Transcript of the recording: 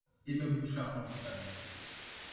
Et ma bouche ardente et pâmée